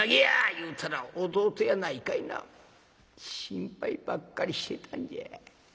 いうたら弟やないかいな心配ばっかりしてたんじゃ。